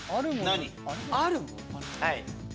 あるもの？